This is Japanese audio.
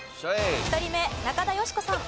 １人目中田喜子さん。